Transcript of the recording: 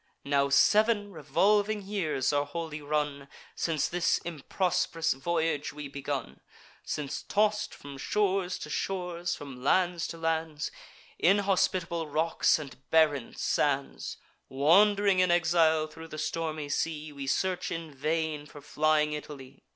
Now sev'n revolving years are wholly run, Since this improsp'rous voyage we begun; Since, toss'd from shores to shores, from lands to lands, Inhospitable rocks and barren sands, Wand'ring in exile thro' the stormy sea, We search in vain for flying Italy.